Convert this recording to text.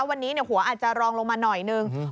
วันนี้หัวอาจจะรองลงมาหน่อยนึง